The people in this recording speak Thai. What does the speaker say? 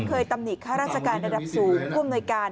เคยตำหนิค่าราชการระดับสูงควบหน่วยการ